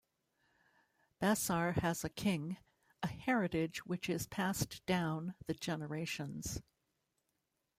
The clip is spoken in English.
Bassar has a King, a heritage which is passed down the generations.